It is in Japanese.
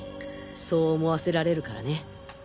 そう思わせられるからね。